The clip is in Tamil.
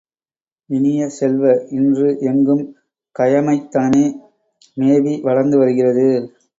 இனிய செல்வ, இன்று எங்கும் கயமைத்தனமே மேவி வளர்ந்து வருகிறது.